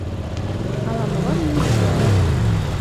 Ала-молан мӧҥгешла лекте.